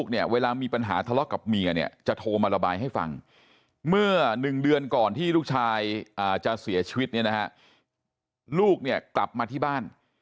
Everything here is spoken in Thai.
อ๋อนายมาและกลับมาที่บ้าน